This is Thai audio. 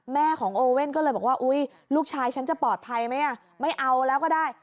แม่ของโอเว่นก็เลยบอกว่าอุ๊ยลูกชายฉันจะปลอดภัยไหมไม่เอาแล้วก็ได้